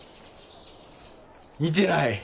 似てない。